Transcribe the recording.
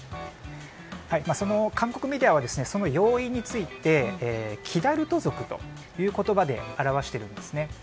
韓国メディアはその要因についてキダルト族という言葉で表しているんですね。